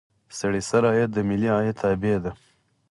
سړي سر عاید د ملي عاید تابع ده.